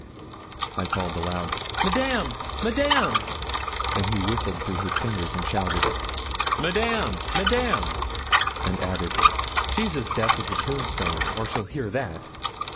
I called aloud, 'Madame, Madame!' and he whistled through his fingers, and shouted, 'Madame, Madame,' and added, 'She's as deaf as a tombstone, or she'll hear that.